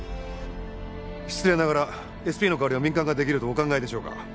失礼ながらＳＰの代わりを民間が出来るとお考えでしょうか？